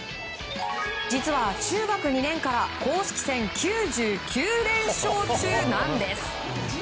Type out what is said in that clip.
実は中学２年から公式戦９９連勝中なんです。